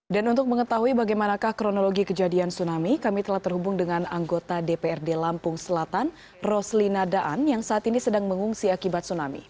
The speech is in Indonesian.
dan untuk mengetahui bagaimanakah kronologi kejadian tsunami kami telah terhubung dengan anggota dprd lampung selatan roslina daan yang saat ini sedang mengungsi akibat tsunami